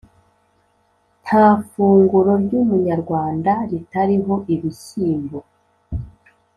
ntafunguro ry’umunyarwanda ritariho ibishyimbo